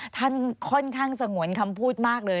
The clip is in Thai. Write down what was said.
ค่อนข้างสงวนคำพูดมากเลย